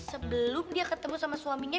sebelum dia ketemu sama suaminya